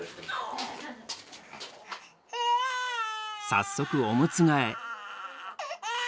早速おむつ替え。